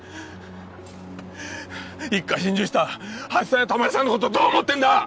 一家心中したハセさんやタマルさんのことどう思ってんだ！